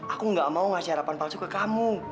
aku gak mau ngasih harapan palsu ke kamu